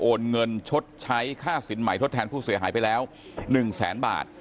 เงินชดใช้ค่าสินใหม่ทดแทนผู้เสียหายไปแล้ว๑แสนบาท